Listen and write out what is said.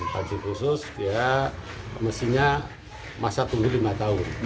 haji khusus dia mestinya masa tunggu lima tahun